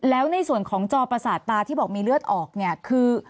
แล้วในส่วนของจอประสาทตาที่บอกมีเลือดออกเนี่ยคือ